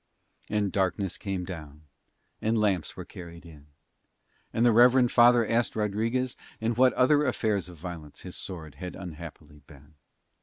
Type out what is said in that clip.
And darkness came down and lamps were carried in: and the reverend father asked Rodriguez in what other affairs of violence his sword had unhappily been.